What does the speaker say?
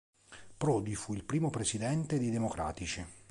Prodi fu il primo presidente dei Democratici.